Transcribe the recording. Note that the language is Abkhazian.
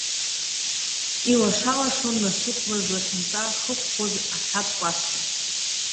Илаша-лашон насыԥла злахьынҵа хыхәхәоз ахьатә кәасқьа.